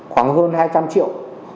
khoảng hơn hai trăm linh triệu